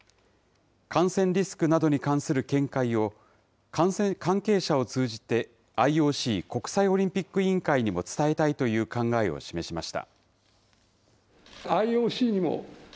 感染リスクなどに関する見解を、関係者を通じて、ＩＯＣ・国際オリンピック委員会にも伝えたいという考えを示しました。